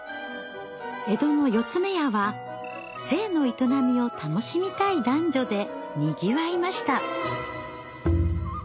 江戸の「四ツ目屋」は性の営みを楽しみたい男女でにぎわいました。